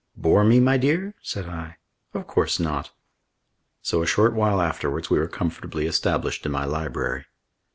"Bore me, my dear?" said I. "Of course not." So a short while afterwards we were comfortably established in my library.